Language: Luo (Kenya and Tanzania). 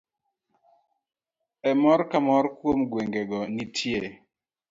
E moro ka moro kuom gwenge go, nitie